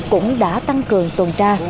cũng đã tăng cường tuần tra